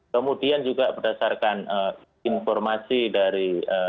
kemudian juga berdasarkan informasi dari